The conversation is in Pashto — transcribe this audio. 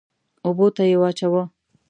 اوبو ته يې واچوه.